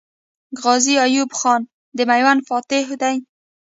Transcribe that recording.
غازي ایوب خان د میوند فاتح دی.